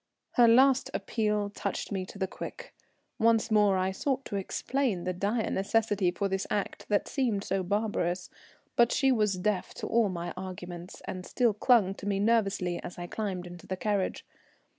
Her last appeal touched me to the quick. Once more I sought to explain the dire necessity for this act that seemed so barbarous, but she was deaf to all my arguments, and still clung to me nervously as I climbed into the carriage.